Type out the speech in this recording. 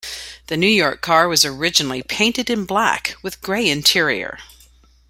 The New York car was originally painted in black with a grey interior.